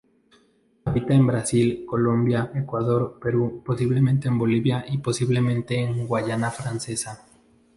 Habita en Brasil, Colombia, Ecuador, Perú, posiblemente en Bolivia y posiblemente en Guayana Francesa.